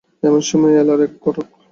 এমন সময়ে এল আর-এক ঘটক।